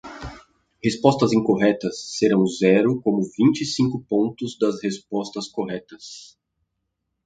Respostas incorretas serão zero como vinte e cinco pontos das respostas corretas.